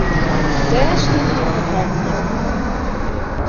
Dêr stienen him de hannen net nei.